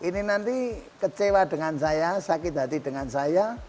ini nanti kecewa dengan saya sakit hati dengan saya